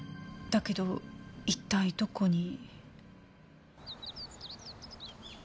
だけど一体どこに。